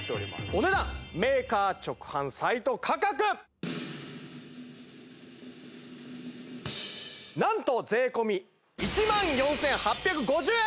お値段メーカー直販サイト価格何と税込１万４８５０円！